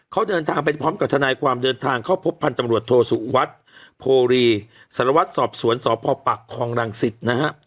เขาเดินทางไปพร้อมกับทนายความเดินทางเข้าพบพันธ์ตำรวจโทสุวัสดิ์โพรีสารวัตรสอบสวนสพปักคลองรังสิตนะฮะ